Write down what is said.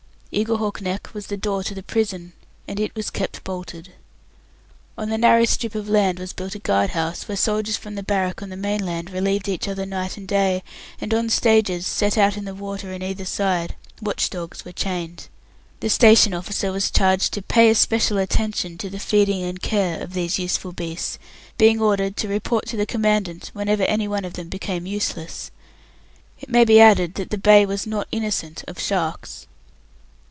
Eaglehawk Neck was the door to the prison, and it was kept bolted. On the narrow strip of land was built a guard house, where soldiers from the barrack on the mainland relieved each other night and day; and on stages, set out in the water in either side, watch dogs were chained. The station officer was charged "to pay special attention to the feeding and care" of these useful beasts, being ordered "to report to the Commandant whenever any one of them became useless". It may be added that the bay was not innocent of sharks.